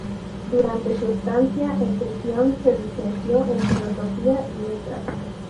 Durante su estancia en prisión se licenció en Filosofía y Letras.